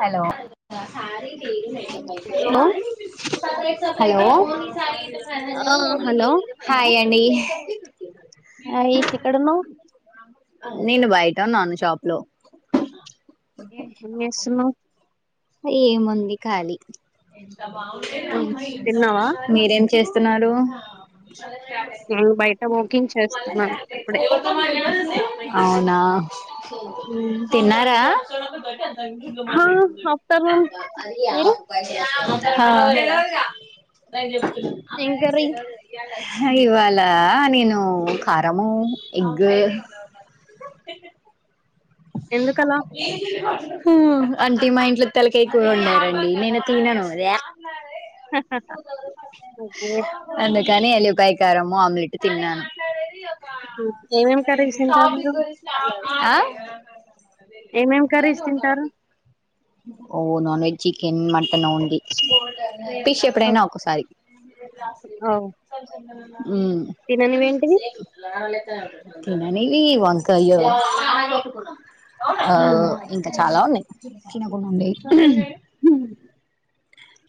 Hello hello hello ఆ hello హాయ డి ఆ ఏంటిక్కడున్నవ్ తెన్నాను షాప్ లో ఇ స [unintelligible] సున్నవ్ ఏముంది ఖాలీ తిన్నావా మీరేం చేస్ తున్నాడు నేను బయట వాకింగ్ చేస్తున్నాను ఇప్పుడే ఔనా తిన్నారా. కుడి అ ఇకా హా మాట్లా ఆఫ్టర్నూన్ మీరు [unintelligible] హ ఎంకర్రి ఇవాళ నేను కారము ఎగ్ ఎందుకలా అ హు అంటే మా ఇంట్లో తలకైకుర వండారండి నేను తినను వ్యక్ ఓకే కరము ఆమ్లెట్ తిన్నాను ఏమేమి కర్రీస్ తింటారు మీరు ఆ ఏమేం కర్రీస్ తింటారు ఓ non veg chicken mutton only fish ఎప్పుడైనా ఒక్కసారి తిననివి ఏంటివి తిననీవి వంకాయ ఆ ఇంకా చాలా ఉన్నాయి హ తినకుండా ఉండేయి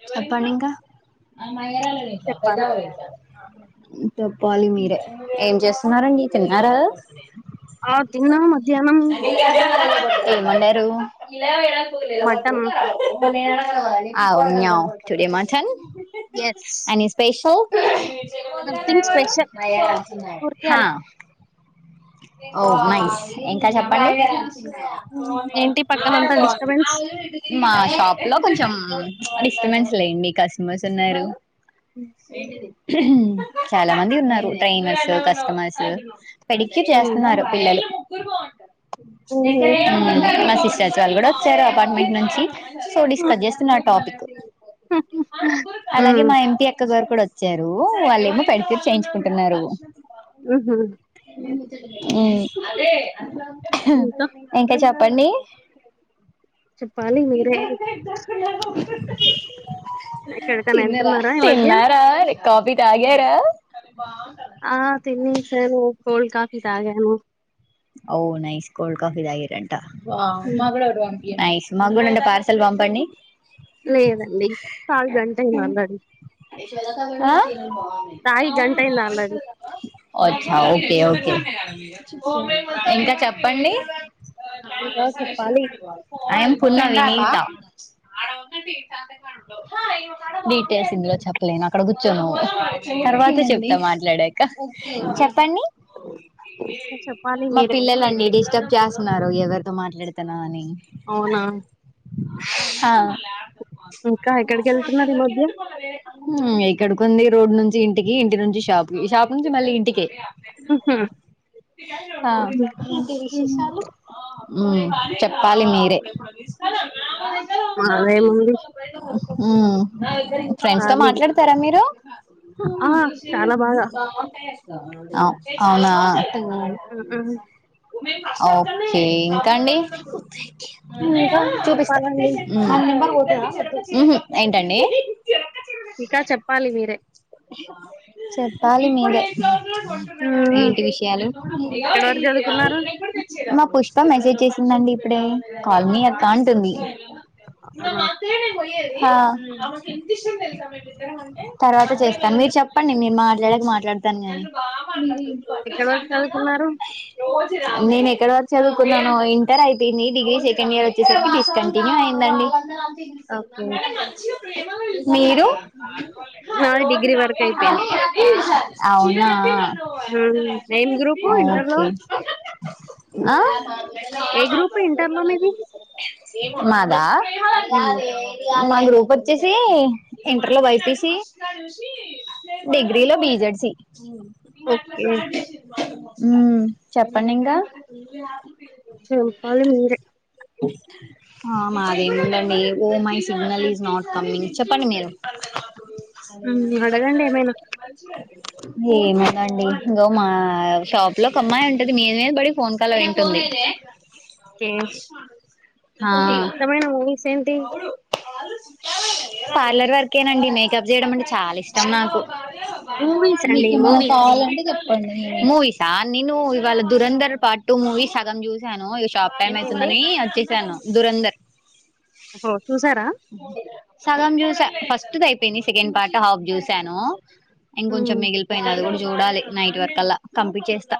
చెప్పండింకా చెప్పాలి [unintelligible] చెప్పాలి మీరే ఏం చేస్తున్నారండి తిన్నారా ఆ తిన్నా మధ్యాహ్నం ఏమోండారు మ మటన్ అవునా today mutton yes any special nothing special ఊరికే అలా హ ఓ నైస్ ఇంకా చెప్పండి ఏంటి పక్కన అంతా డిస్టర్బెన్స్ మా తబ్ ఇలా కొంచెం డిస్టబెన్స్ లేండి కస్టమర్స్ ఉన్నారు ఏీంటి చాలా మంది ఉన్నారు ట్రైనర్స్ కస్టమర్స్ అడిగితే చేస్తున్నారు పిల్లలు గురువా అంటారు హుహు. [unintelligible] మా శిష్యా [unintelligible] కాాలగడ [unintelligible] వచ్చారా అపార్ట్మెంట్ నుంచి సో డిస్కస్ చేస్తున్న ఆ టాపిక్ అ [inaudible] అలాగే హ్మ్. మా ఎంపీ అక్కగారు ఇప్పుడు వచ్చారు వాళ్ళేమో పెడిక్యూర్ చేయించుకుంటున్నారు ఆహ ఉ ఇంకా ఇంకా చెప్ పన్న చెప్పాలి మీరే. [unintelligible] ఎక్కడికైనా ఎళ్తున్నారా ఈ మధ్య? తిన్నారా కాఫీ తాగార అరి బా [unintelligible] ఆ తినేసాము కోల్డ్ కాఫీ తాగాము ఓ నైస్ కోల్డ్ కాఫీ దాగిరండి వావ్ హ్మ్. మాకూడా ఒకటి పంపీ నైస్ మాకు కూడా అంట పార్సల్ పంపండి లేదండి తాగి గంటయింది ఆల్రెడీ ఆ తాగి గంటయింది ఆల్రెడీ. అచ్చా ఓకే ఓకే లా [unintelligible] ట్ యాహ్! [inaudible] ఇంకా చెప్పండి ఇంకా చెప్పాలి. ఆఐ పునా [unintelligible] డీటెయిల్స్ ఇందులో చెప్పలేను అక్కడ కూర్చో నువ్వు తర్వాత చెప్తా మాట్లాడాక అప్ప [unintelligible] మా పిల్లలండి డిస్టర్బ్ చేస్తున్నారు ఎ ఎవరితో మాట్లాడుతునావ్ అని అవునా! ఇంకా ఎక్కడికెళ్తున్నారు ఈ మధ్య? ఎక్కడకుంది రోడ్ నుంచి ఇంటికి ఇంటి నుంచి షాప్ కి షాప్ నుంచి మళ్ళీ ఇంటికె ఉ హ్ ఆ ఏంటి విశేషాలు ఉమ్ చెప్పాలి మీరే నాదే ముంది ఉమ్ ఫ్రెండ్స్ తో మాట్లాడతారా మీరు ఆ! చాలా బాగా. అవ అవునా హ్మ్. అ ఓకే ఇంకా అండి ఇంకా చూపిస్తారు చెప్పాలండి. ఆ నంబర్ ఉహూ ఏంటండి ఇంకా చెప్పాలి మీరే. చెప్పాలి మీదే హ్మ్. ఏంటి విషయాలు ఎక్కడి వరకు చదువుకున్నారు? మా పుష్ప మెసేజ్ చేసి ందండి ఇప్పుడే కాల్ మీ అక్క అంటుంది ఇ అవునా మాత్రేనేే పోయ్యరు హా తర్వాత చేస్త కానీ మీరు చెప్పండి మీ మాట్లాడక మాట్లాడతాను కానీ ఎక్కడ వరకు చదువుకున్నారు రోజ నేను ఎక్కడ వరకు చదువుకున్నాను ఇంటర్ అయిపోంది డిగ్రీ సెకండ్ ఇయర్ వచ్చేసరికి డిస్కాంటిన్యు అయింది ందండి ఓకే మీరు నాది డిగ్రీ వరకు అయిపోయింది విసా అవునా ఉమ్ ఏం గ్రూపు ఇంటర్ లో ఓకే ఆ ఏ గ్రూప్ ఇంటర్ లో మీది మాదా ఉమ్ మా గ్రూప్ వచ్చేసి ఇంటర్ లో బైపిసి డిగ్రీలో బిజెడ్సి మంగ్ అలా ఓకే సా మ ఉమ్ చెప్పండి ఇంకా చెప్పాలి మీరే మాదేముందండి oh my signal is not coming చెప్పండి మీరు అదే ఉమ్ అడగండి ఏమైనా ఏమందండి ఇంకా మా షాప్ లో ఒక అమ్మాయి ఉంటది మీద మీద బడి ఫోన్ కాల్ వింటుంది కే ఆ సమయ నా మూవీస్ ఏంటి పార్లర్ వర్కేనండి మేకప్ చేయడం అంటే చాలా ఇష్టం నాకు మూవీస్ అండి మీకు ఏమనా మూవీస్ కావాలంటే చెప్ప మూవీసా నేను ఇవాళ దురంధర్ పాట్ టూ మూవీస్ సగం చూశాను టాపే మేస్ ఏంటేంటి వస్తుందని వచ్చేసాను దురంధర్ ఓహో చూసారా సగం జూసా ఫ అయిపోయింది సెకండ్ పార్ట్ హాఫ్ చూశాను ఇంకంచెం ఉమ్ మిగిలిపోయింది అది కూడా చూ చూడాలి నైట్ వర్క్ అల్లా కంప్లీంచేస్తా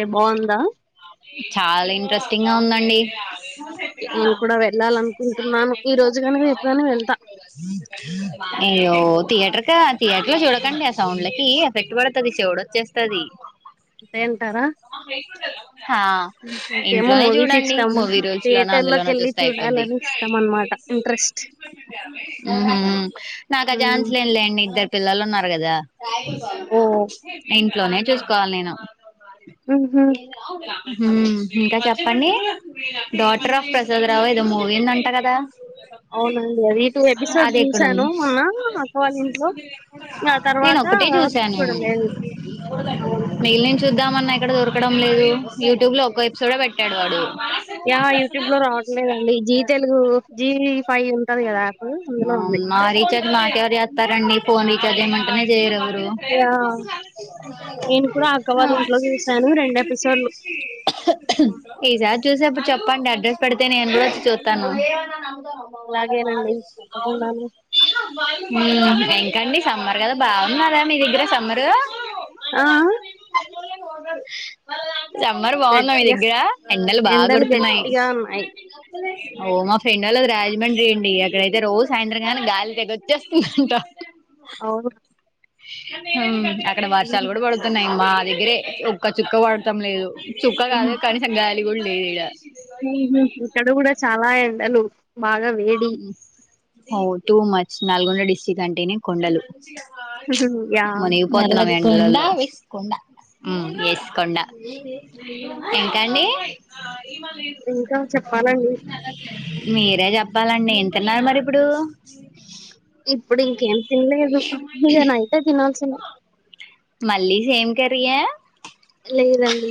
ఏ బాగుందా చాలా ఇంట్రెస్టింగ్ గా ఉందండి నేను కూడా వెళ్ళాలనుకుంటున్నాను ఈ రోజు గాని రేపు గాని వెళ్తా న్ని అయ్యో థియేటర్ ఇంకా థియేటర్ లో చూడకండి ఆ సౌండ్లకి ఎఫెక్ట్ పడుతది చెవుడ్ వచ్చేస్తది అంతేంటారా హా ఓకేమో మూవీస్ ఇష్టం కొన్ని రోజు లోన థియేటర్ లోకి అందులోన వెళ్ళి చూస్తయి కొద్ది చూడాలని ఇష్టం అన్నమాట ఇంట్రెస్ట్ నాకు ఉమ్ ఆచాన్స్ లేదే లే అండి ఇద్దరు పిల్లలు ఉన్నారు కదా ఓహ్! ట్ ఇంట్లోనే చూసుకోవాలి నేను హుహు. ఏందో ఆ గురా హ ఇంకా చెప్పండి డాటర్ ఆఫ్ ప్రసాద్ రావు ఏదో మూవీందంట కదా అవునండి అది ఈ టూ ఎపిసోడ్ అది చూసాను ఎక్కడుంది మొన్న అక్కవాళ ఇంట్లో ఇ ఆ నేను తర్వాత ఒకటే చూసాను చూడలేదు అవును మన్నా ఎక్కడ దొరకడం లేదు యూట్యూబ్ లో ఒక్క ఎపిసోడ్ పెట్టాడు వాడు యా యూట్యూబ్ లో రావట్లేదండి జీ తెలుగు జీ ఫైవ్ ఉంటది కదా యాప్ అందులో ఉంది స్తారండి ఫోన్ చదివి మంటే చేయరువు యాహ్! నేను కూడా అక్క వాళ్ళ ఇంట్లో చూసాను ఎపిసోడ్‌లు. ఇసారి సేపుడు చెప్పండి అడ్రస్ పెడితే నేను కూడా చూస్తాను మ్ వాళవు అలాగేనండి తప్పకుండాను. కండి సమ్మర్ కదా బాగున్న కదా మీ దగ్గర సమ్మరు ఆ దు రమ్మర్ బాగుందా మీ గట్టిగా దగ్గర బాగా ఎండలు కొడుతున్నాయి గట్టిగా ఉన్నాయి ఓ మా ఫ్రెండ్ వాళ్ళకి రాజమండ్రి అండి అక్కడైతే రోజు సాయంత్రంగానీ గాలి తెగొచ్చేస్తుందంట అవు మ్ అక్కడ వర్షాలు కూడా పడుతున్నాయిమ్మా దగ్గరే ఒక్క చుక్క పడతాం లేదు చుక్క కాదు హ్మ్. కనీసంగాలి [unintelligible] లేడ ఇక్కడ కూడా చాలా ఎండాలు ఆ టూ మచ్ నల్గొండ డిస్టి్రిక్ట్ అంటేనే కొండలు యాహ్! మన ఇ ప వేసు వేసుకోండా ఏంటండి ఈ ఇంకా చెప్పాలండి. మ మీరే చెప్ చెప్పాలండి ఎ తిన్నారు మరి ఇప్పుడు ఇప్పుడు ఇంకేం తినలేదు ఇక నైతే తినాల్సింది మల్లీ సేమ్ కర్రీ ఆ లేదండి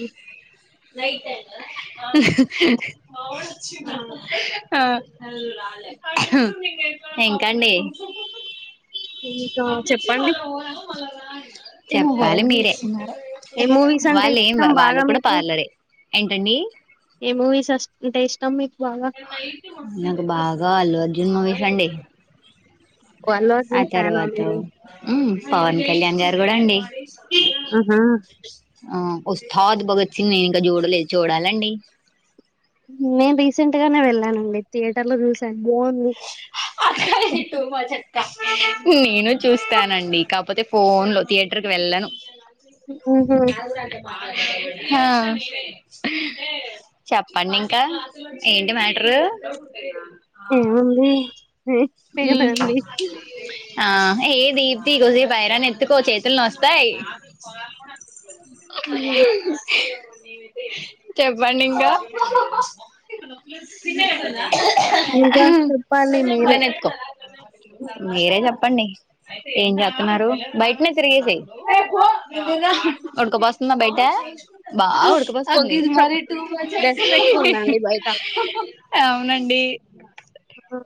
ఆ ఇంకా అండి ఇంకా పంపించి చెప్పండి పోదాము మళ్ళా చెప్పాలి మీరే ఏ మూవీస్ అంటే వాళ్ళు ఏం ఇష్టం వాళ్ళు బాగా కూడా పార్లరే ఏంటండి ఏ మూవీస్ [unintelligible] తమ్మీ నాకు బాగా అల్లు అర్జ్ జన్మ మూవీస్ అండి అల్లు అర్జున్ ఫ్యాన్ ఆ మీరు అం ఉమ్ పవన్ కళ్యాణ్ గారు కూడా అండి ఆహా ఆ ఉస్తాద్ భగత్ సింగ్ నేను ఇంకా చూడలేదు చూడాలా అండి నేను రీసెంట్ గానే వెళ్వానండి థియేటర్ లో చూసాను బాగుంది అక్క ఇది టూ మచ్ అక్కా నేను చూస్తానండి కాకపోతే ఫోన్ లో థియేటర్ కి వెళ్ళను ఉహు నాగురా కె బహార్ హె హా చెప్పండి ఇంక ఏంటి మ్యాటర్ ఏముంది హె లేదండి ఆ ఏ దీప్తి కొద్ది సే బైరాన్ని ఎత్తుకో చేతుల నొస్తాయి [inaudible] విష్ చెప్పండి ఇంక [inaudible] ఇంకా చెప్పాలి ఎహ్ మీరే ఎహ్ హ్ మీరే చెప్పండి ఏం చేస్తున్నారు బయటనే తిరగేసై ఉడకపోస్తుందా బయట బాగ ఉడకపోస్తోంది ఇది కొంచెం మరి టూ మచ్ డస్ట్ ఎక్కువ ఉందండి బయట అ అవునండి హ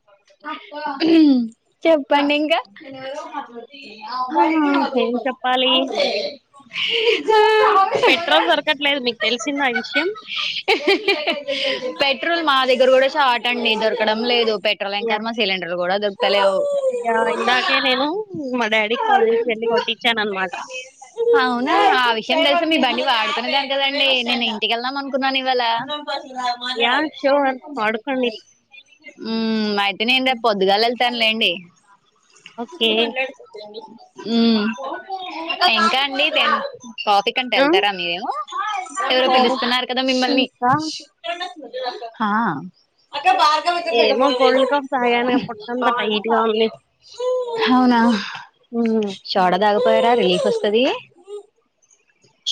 చెప్పండి ఇంక ఆ బయట ఏం లోపల చెప్పాలి అంతే హెహ్ ఇ జ పెట్రోల్ దొరకట్లేదు మీక్ తెలిసిందా ఆ విషయం పెట్రోల్ మా దగ్గర కూడా షాట్ అండి దొరకడం లేదు ఎక్కడలేని ఖర్మ సిలిండర్ కూడా కలుగు అయా ఇందాకే నేను మా డాడీ కాలేజ్ కెళ్ళి కొట్టిచ్చాను అనమాట అవునా ఆ విషయం తెలిసి మీ బండి వాడుకునేదాన్ని కదండి నేను ఇంటికెళ్దాం అనుకున్నాను ఇవాళ యా షూర్ వాడుకోండి ఉమ్ మ ఇంటి నిండా పొద్దుగాల వెళ్తాన్లేండి ఓకే హ మాట్లాడుతుంటదండి ఉమ్ ఇంకా అండి ఆ? మేము కాఫి కట్ట వెళ్తారా మీరు ఎవరో ఓ, పిలుస్తున్నారు కదా మిమ్మల్ని ఇంకా హాయ్ ఏం లా కొడిలి కం అవునా షోడా తగపోయారా రిలీఫ్ వస్తది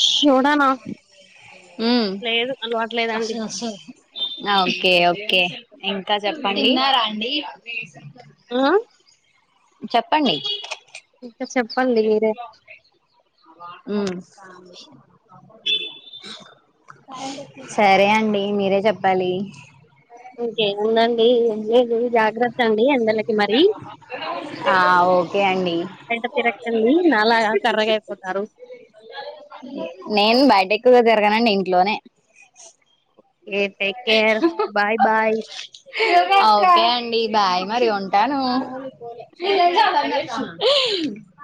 షోడా నా ఉమ్ ఆ‌ ఓకే ఓకే ఇంకా చెప్పండి ఆ? జ చెప్పండి ఇంకా చెప్పండి మీరే ఉమ్ సరే అండి మీరే చెప్పాలి ఇంకేముందండి ఏం లేదు జాగ్రత్త అండి ఎండలకి మరి ఆ ఓకే అండి బయట తిరక్కండి నాలా కర్రిగయిపోతారు క్కువ తిరగనండి ఇంట్లోనే ఏ టేక్ కేర్ బాయ్ బాయ్ ఆ ఓకే అండి బాయ్ మరి ఉంటాను